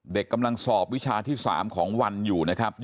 เด็กกำลังสอบวิชาที่๓ของวันอยู่นะครับ